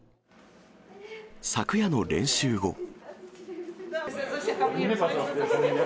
昨夜の練習後。